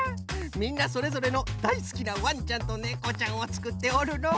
みんなそれぞれのだいすきなわんちゃんとねこちゃんをつくっておるのう。